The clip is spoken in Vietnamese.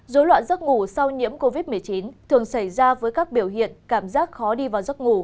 dối loạn giấc ngủ sau nhiễm covid một mươi chín thường xảy ra với các biểu hiện cảm giác khó đi vào giấc ngủ